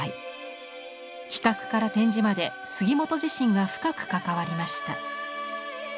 企画から展示まで杉本自身が深く関わりました。